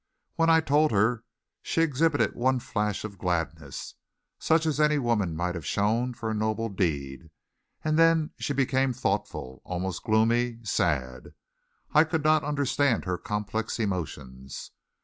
When I told her she exhibited one flash of gladness, such as any woman might have shown for a noble deed and then she became thoughtful, almost gloomy, sad. I could not understand her complex emotions.